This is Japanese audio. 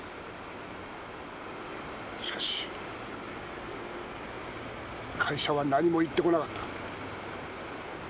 しかし会社は何も言ってこなかった。